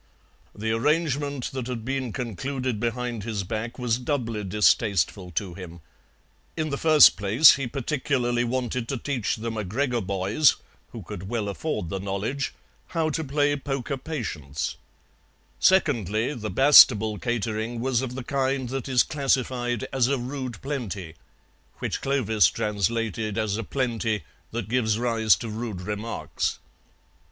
The arrangement that had been concluded behind his back was doubly distasteful to him. In the first place, he particularly wanted to teach the MacGregor boys, who could well afford the knowledge, how to play poker patience; secondly, the Bastable catering was of the kind that is classified as a rude plenty, which Clovis translated as a plenty that gives rise to rude remarks.